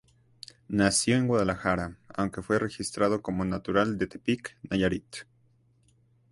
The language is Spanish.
Nació en Guadalajara, aunque fue registrado como natural de Tepic, Nayarit.